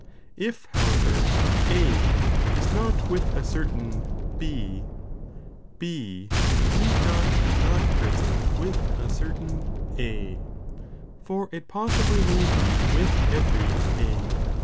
Ifhonever A is not with a cer tain B, B need not be not present with a certain A, for it possibly may be with every A.'